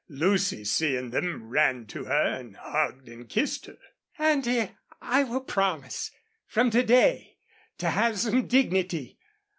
Lucy, seeing them, ran to her and hugged and kissed her. "Auntie, I will promise from to day to have some dignity.